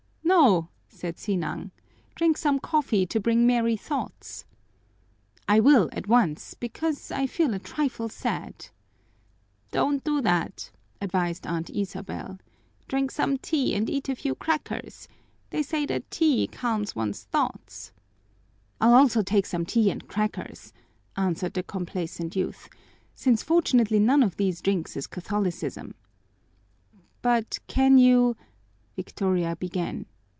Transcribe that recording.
"No," said Sinang, "drink some coffee to bring merry thoughts." "I will, at once, because I feel a trifle sad." "Don't do that," advised Aunt Isabel. "Drink some tea and eat a few crackers. They say that tea calms one's thoughts." "I'll also take some tea and crackers," answered the complaisant youth, "since fortunately none of these drinks is Catholicism." "But, can you " Victoria began.